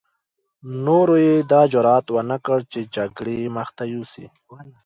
نورو يې دا جرعت ونه کړ چې جګړې مخته يوسي.